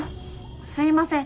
すいません。